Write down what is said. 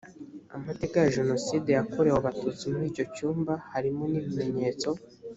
amateka ya jenoside yakorewe abatutsi muri icyo cyumba harimo n ibimenyetso